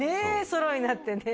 ソロになってね